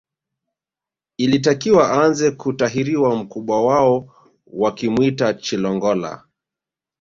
Ilitakiwa aanze kutahiriwa mkubwa wao wakimuita Chilongola